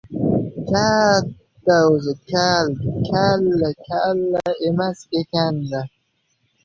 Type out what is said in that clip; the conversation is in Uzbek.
— Katta... o‘zi, kal kalla — kalla emas ekan-da!